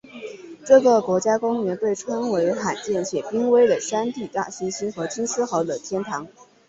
这个国家公园被称为罕见且濒危的山地大猩猩和金丝猴的天堂。